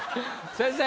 先生